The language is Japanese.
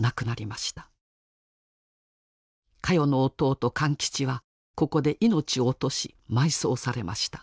カヨの弟・勘吉はここで命を落とし埋葬されました。